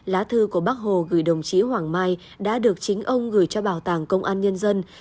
lá thư của bác hồ gửi đồng chí hoàng mai đã được chính ông gửi cho bảo tàng công an nhân dân